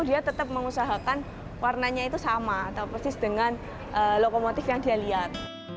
dia tetap mengusahakan warnanya itu sama atau persis dengan lokomotif yang dia lihat